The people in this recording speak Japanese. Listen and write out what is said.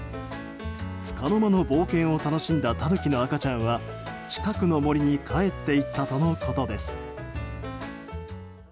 つかの間の冒険を楽しんだタヌキの赤ちゃんは近くの森に帰っていったとのことです。